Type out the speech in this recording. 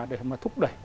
để mà thúc đẩy